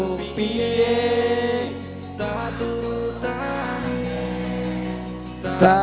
rapat dengan kita